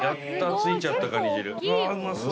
ついちゃったカニ汁。